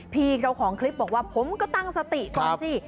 พี่เจ้าของคลิปบอกว่าผมก็ตั้งสติก่อนสิ